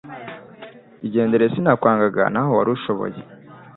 igendere sinakwangaga naho wari ushoboye